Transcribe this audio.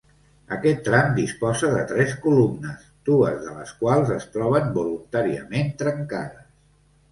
Aquest tram disposa de tres columnes, dues de les quals es troben voluntàriament trencades.